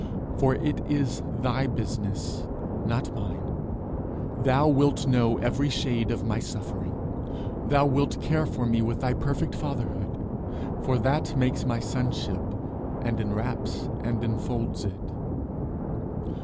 For it is thy business, not mine. Thou wilt know every shade of my suffering; thou wilt care for me with thy perfect fatherhood; for that makes my sonship, and inwraps and infolds it.